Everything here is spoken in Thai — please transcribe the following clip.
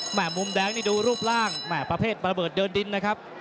มุมแดงนี่ดูรูปร่างแหม่ประเภทระเบิดเดินดินนะครับ